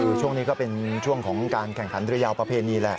คือช่วงนี้ก็เป็นช่วงของการแข่งขันเรือยาวประเพณีแหละ